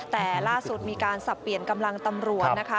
แต่ล่าสุดมีการสับเปลี่ยนกำลังตำรวจนะคะ